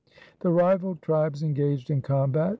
The rival tribes engaged in combat.